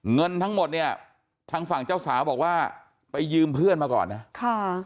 เงินทั้งหมดเนี่ยทางฝั่งเจ้าสาวบอกว่าไปยืมเพื่อนมาก่อนนะค่ะ